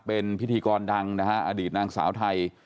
เป็นพิธีกรดังนะฮะอดีตนางสาวไทย